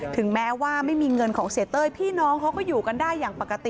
ถึงแม้ว่าไม่มีเงินของเสียเต้ยพี่น้องเขาก็อยู่กันได้อย่างปกติ